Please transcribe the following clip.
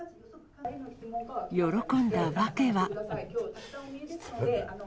喜んだ訳は。